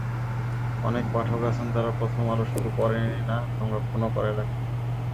অনেক পাঠক আছেন, যাঁরা প্রথম আলো শুধু পড়েনই না, সংরক্ষণ করেও রাখেন।